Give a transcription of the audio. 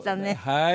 はい。